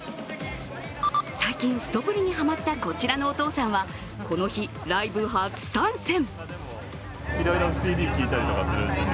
最近すとぷりにハマったこちらのお父さんはこの日、ライブ初参戦。